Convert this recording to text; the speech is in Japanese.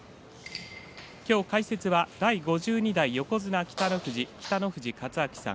今日、解説は第５２代横綱の北の富士勝昭さん。